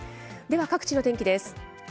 では各地の天気です。